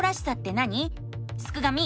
すくがミ！